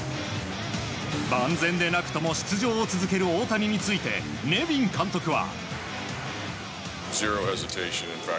万全でなくとも出場を続ける大谷についてネビン監督は。